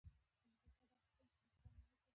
ننګرهار د افغانستان د صنعت لپاره مواد برابروي.